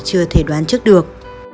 chưa thể đoán trước được